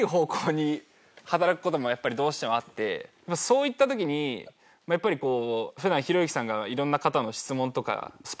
そういった時にやっぱりこう。